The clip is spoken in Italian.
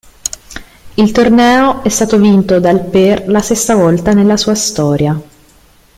Il torneo è stato vinto dal per la sesta volta nella sua storia.